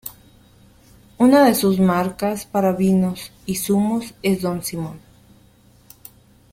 Una de sus marcas para vinos y zumos es Don Simón.